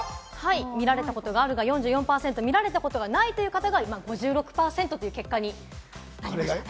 見られたことがあるが４４％、ない方が５６％という結果になりました。